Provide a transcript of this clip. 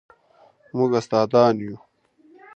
موږ استادان یو